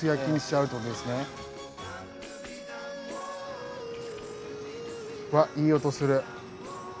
うわっいい音する。